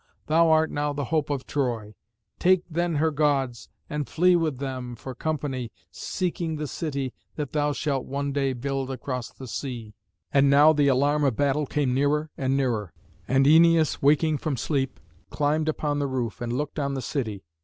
Thou art now the hope of Troy. Take then her Gods, and flee with them for company, seeking the city that thou shalt one day build across the sea." And now the alarm of battle came nearer and nearer, and Æneas, waking from sleep, climbed upon the roof, and looked on the city.